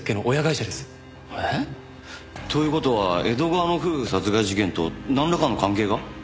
えっ？という事は江戸川の夫婦殺害事件となんらかの関係が？